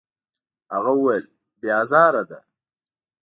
هغه وویل: «بې ازاره ده.»